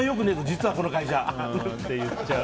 実はこの会社。って言っちゃう。